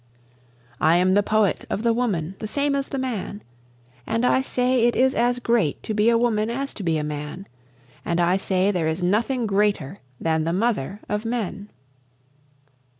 I am the poet of the woman the same as the man, And I say it is as great to be a woman as to be a man, And I say there is nothing greater than the mother of men.